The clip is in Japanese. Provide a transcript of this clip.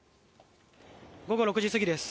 午後６時過ぎです。